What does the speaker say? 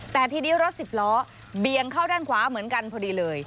แต่ทีนี้รถสิบล้อเบียงเข้าด้านขวาเหมือนกันพอดีเลย